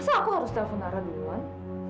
masa aku harus telepon nara duluan